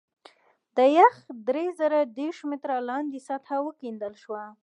د یخ درې زره دېرش متره لاندې سطحه وکیندل شوه